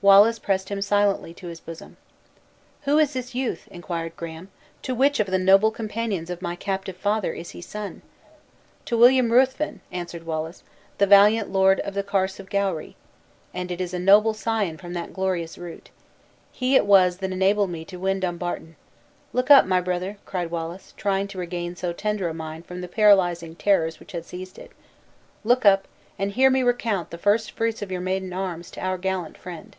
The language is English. Wallace pressed him silently to his bosom. "Who is this youth?" inquired Graham; "to which of the noble companions of my captive father is he son?" "To William Ruthven," answered Wallace; "the valiant lord of the Carse of Gowry. And it is a noble scion from that glorious root. He it was that enabled me to win Dumbarton. Look up, my brother!" cried Wallace, trying to regain so tender a mind from the paralyzing terrors which had seized it; "Look up, and hear me recount the first fruits of your maiden arms, to our gallant friend."